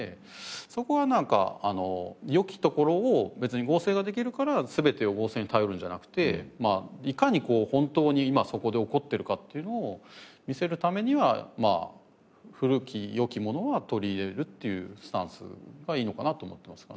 そこはなんか良きところを別に合成ができるから全てを合成に頼るんじゃなくていかに本当に今そこで起こっているかっていうのを見せるためには古き良きものは取り入れるっていうスタンスがいいのかなと思ってますかね。